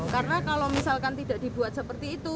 karena kalau misalkan tidak dibuat seperti itu